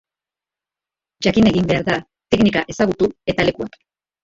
Jakin egin behar da, teknika ezagutu eta lekuak.